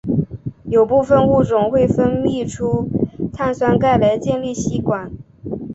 有部分物种会分泌出碳酸钙来建立栖管。